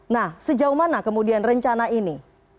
nah sejauh mana kemudian rencana ini